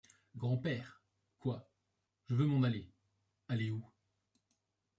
Grand-père ? -Quoi ? -Je veux m'en aller. -Aller où ?